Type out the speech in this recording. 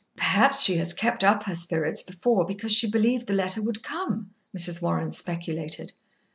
"Perhaps she has kept up her spirits before because she believed the letter would come," Mrs. Warren speculated.